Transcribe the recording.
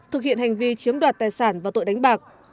thực hiện hành vi chiếm đoạt tài sản và tội đánh bạc